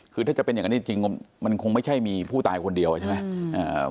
คือถ้าจะเป็นอย่างนั้นจริงมันคงไม่ใช่มีผู้ตายคนเดียวใช่ไหม